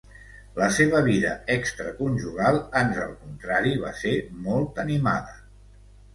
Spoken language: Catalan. La seva vida extraconjugal ans al contrari va ser molt animada.